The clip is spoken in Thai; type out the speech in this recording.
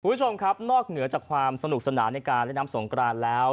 คุณผู้ชมครับนอกเหนือจากความสนุกสนานในการเล่นน้ำสงกรานแล้ว